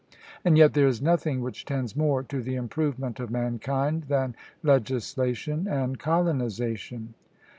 And yet there is nothing which tends more to the improvement of mankind than legislation and colonization.